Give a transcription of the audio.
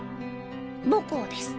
母校です。